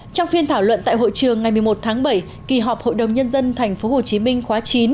trong phiên thảo luận tại hội trường ngày một mươi một tháng bảy kỳ họp hội đồng nhân dân tp hcm khóa chín